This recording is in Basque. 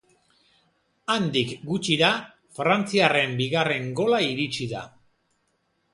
Handik gutxira, frantziarren bigarren gola iritsi da.